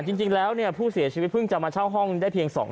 จริงแล้วเนี่ยผู้เสียชีวิตเพิ่งจะมาเช่าห้องได้เพียง๒คน